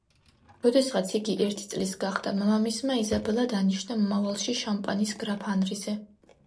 როდესაც იგი ერთი წლის გახდა, მამამისმა იზაბელა დანიშნა მომავალში შამპანის გრაფ ანრიზე.